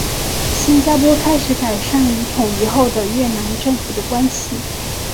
新加坡开始改善与统一后的越南政府的关系。